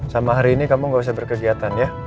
sama hari ini kamu gak usah berkegiatan ya